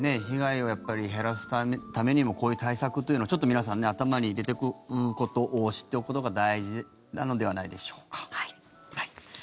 被害を減らすためにもこういう対策というのをちょっと皆さん頭に入れておくこと知っておくことが大事なのではないでしょうか。